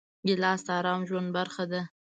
ګیلاس د ارام ژوند برخه ده.